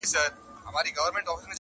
شمعي ته څه مه وایه؛!